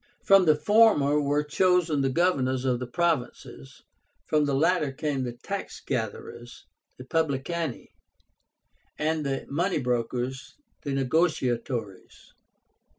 From the former were chosen the governors of the provinces, from the latter came the tax gatherers (publicani) and the money brokers (negotiatores).